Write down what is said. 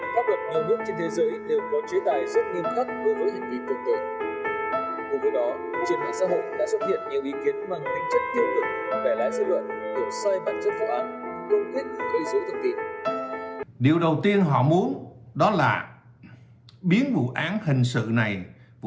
pháp luật nhiều nước trên thế giới đều có chế tài rất nghiêm khắc đối với hành vi phạm tội